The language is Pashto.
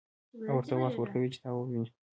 او ورته وخت ورکوي چې تا وويني.